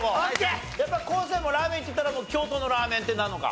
やっぱ昴生もラーメンっていったら京都のラーメンってなるのか？